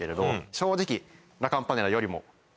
正直。